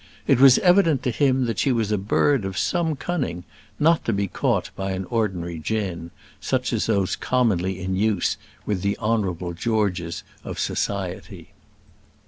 It was evident to him that she was a bird of some cunning, not to be caught by an ordinary gin, such as those commonly in use with the Honourable Georges of Society.